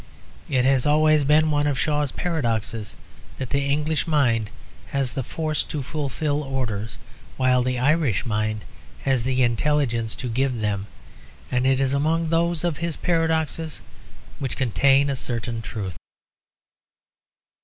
It has always been one of Shaw's paradoxes that the English mind has the force to fulfil orders, while the Irish mind has the intelligence to give them, and it is among those of his paradoxes which contain a certain truth.